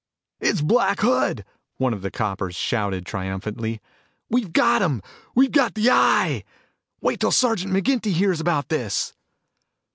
"It's Black Hood!" one of the coppers shouted triumphantly. "We've got him. We've got the Eye. Wait till Sergeant McGinty hears about this!"